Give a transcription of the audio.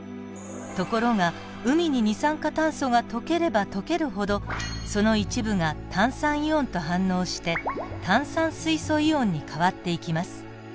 ところが海に二酸化炭素が溶ければ溶けるほどその一部が炭酸イオンと反応して炭酸水素イオンに変わっていきます。